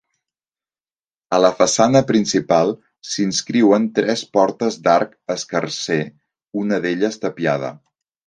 A la façana principal, s'inscriuen tres portes d'arc escarser, una d'elles tapiada.